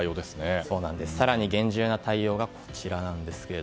更に厳重な対応がこちらです。